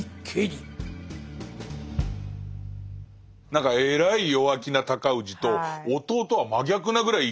何かえらい弱気な尊氏と弟は真逆なぐらい